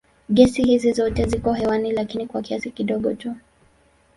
Gesi hizi zote ziko hewani lakini kwa kiasi kidogo tu.